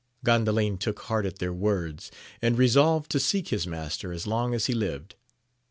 Gandalin took heart at their words, and resolved to seek his master as long as he lived.